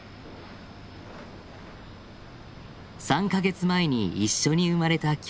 ３か月前に一緒に生まれた兄弟。